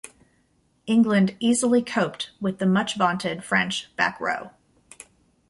England easily coped with the much-vaunted French back-row.